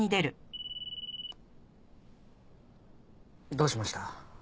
どうしました？